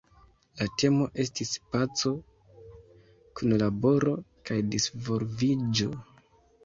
La temo estis "Paco, Kunlaboro kaj Disvolviĝo".